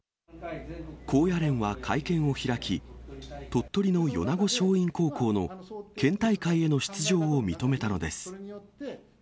高野連は会見を開き、鳥取の米子松蔭高校の県大会への出場を認めたのです。